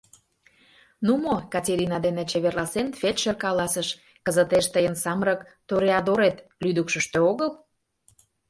— Ну мо, — Катерина дене чеверласен, фельдшер каласыш, — кызытеш тыйын самырык тореадорет лӱдыкшыштӧ огыл.